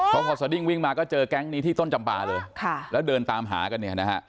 เพราะพอสดิ้งวิ่งมาก็เจอแก๊งนี้ที่ต้นจำปาเลยแล้วเดินตามหากันเนี่ยนะฮะ